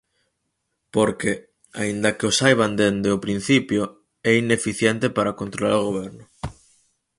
Porque, aínda que o saiban dende o principio, é ineficiente para controlar o Goberno.